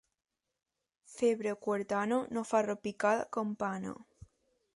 Febre quartana no fa repicar campana.